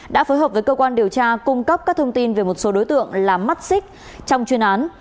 đã phối hợp với cơ quan điều tra cung cấp các thông tin về một số đối tượng là mắt xích trong chuyên án